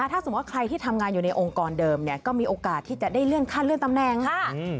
ถ้าสมมุติว่าใครที่ทำงานอยู่ในองค์กรเดิมก็มีโอกาสที่จะได้เลื่อนขั้นเลื่อนตำแหน่งค่ะ